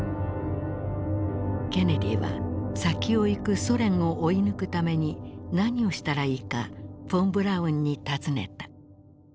ケネディは先を行くソ連を追い抜くために何をしたらいいかフォン・ブラウンに尋ねた。